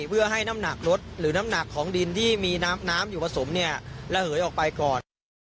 เพื่อให้น้ำหนักลดหรือน้ำหนักของดินที่มีน้ำอยู่ผสมระเหยออกไปก่อน